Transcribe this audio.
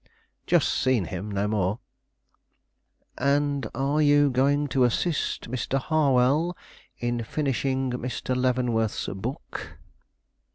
"Just seen him; no more." "And are you going to assist Mr. Harwell in finishing Mr. Leavenworth's book?"